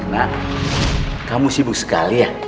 nah kamu sibuk sekali ya